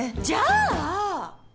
じゃあ！